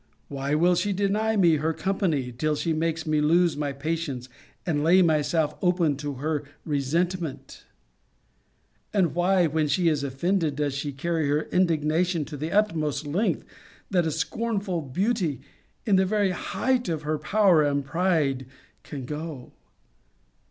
Why will she deny me her company, till she makes me lose my patience, and lay myself open to her resentment? And why, when she is offended, does she carry her indignation to the utmost length that a scornful beauty, in the very height of her power and pride, can go?